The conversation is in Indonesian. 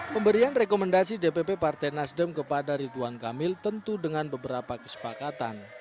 pemberian rekomendasi dpp partai nasdem kepada ridwan kamil tentu dengan beberapa kesepakatan